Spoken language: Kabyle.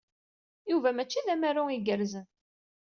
Yuba mačči d amaru igerrzen.